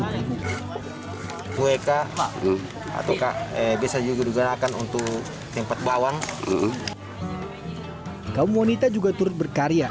ribu wk atau kak eh bisa juga digerakkan untuk tempat bawang kamu wanita juga turut berkarya